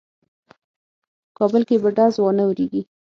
په کابل کې به ډز وانه وریږي.